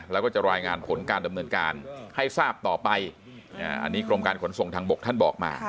แล้วก็จะรายงานผลการดำเนินการให้ทราบต่อไปอันนี้กรมการขนส่งทางบกท่านบอกมา